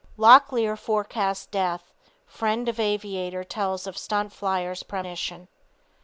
LOCKLEAR FORECAST DEATH FRIEND OF AVIATOR TELLS OF STUNT FLYER'S PREMONITION.